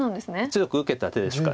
強く受けた手ですか。